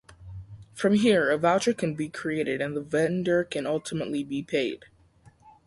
From here a voucher can be created and the vendor can ultimately be paid.